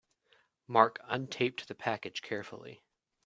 Mark untaped the package carefully.